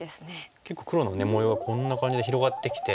結構黒の模様がこんな感じで広がってきて。